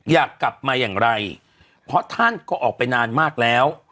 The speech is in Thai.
อยากกลับมาอย่างไรเพราะท่านก็ออกไปนานมากแล้ว